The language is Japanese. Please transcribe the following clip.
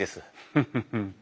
フフフッ。